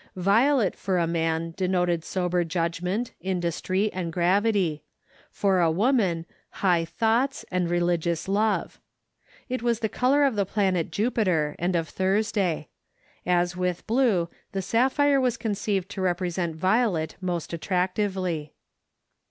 Violet for a man denoted sober judgment, industry, and gravity; for a woman, high thoughts and religious love. It was the color of the planet Jupiter and of Thursday. As with blue, the sapphire was conceived to present violet most attractively.